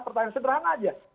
pertanyaan sederhana aja